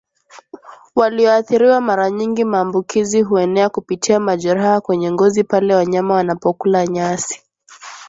walioathiriwa Mara nyingi maambukizi huenea kupitia majeraha kwenye ngozi pale wanyama wanapokula nyasi